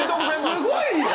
すごいよ！